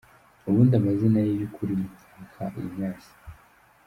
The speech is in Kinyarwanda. Ubundi amazina ye y’ukuri ni Nkaka Ignace.